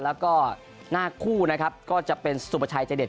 แล้วก็หน้าคู่นะครับก็จะเป็นสุประชัยใจเด็